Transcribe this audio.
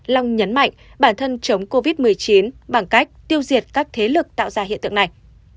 long nhấn mạnh bản thân chống covid một mươi chín bằng cách tiêu diệt các thế lực tạo ra hiện tượng này